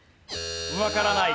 わからない。